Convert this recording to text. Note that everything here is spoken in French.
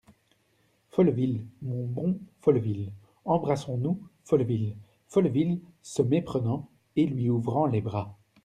Folleville ! mon bon Folleville ! embrassons-nous, Folleville !" Folleville , se méprenant et lui ouvrant les bras.